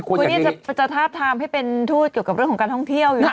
บอกว่าจะแทบทางไปเป็นดูกับเรื่องของของท่องเที่ยว